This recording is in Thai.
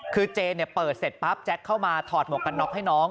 คือเจเปิดเสร็จปั๊บแจ็คเข้ามาถอดหมวกกันน็อกให้น้อง